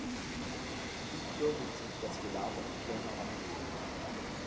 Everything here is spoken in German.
Viktor will sich das Gelaber nicht länger anhören.